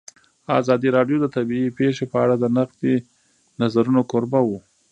ازادي راډیو د طبیعي پېښې په اړه د نقدي نظرونو کوربه وه.